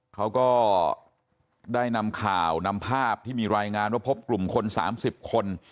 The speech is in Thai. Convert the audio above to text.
เขาก็ได้นำข่าวนำภาพที่มีรายงานว่าพบกลุ่มคน๓๐คน